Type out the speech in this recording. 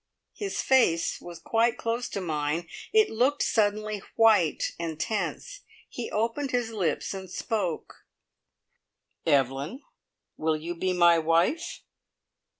His face was quite close to mine. It looked suddenly white and tense. He opened his lips and spoke: "Evelyn, will you be my wife?"